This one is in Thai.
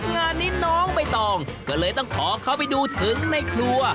งานนี้น้องใบตองก็เลยต้องขอเข้าไปดูถึงในครัว